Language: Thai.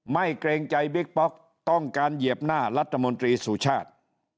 เกรงใจบิ๊กป๊อกต้องการเหยียบหน้ารัฐมนตรีสุชาติ